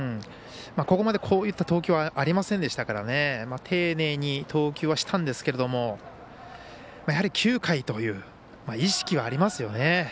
ここまでこういった投球はありませんでしたから丁寧に投球はしたんですけれどもやはり９回という意識はありますよね。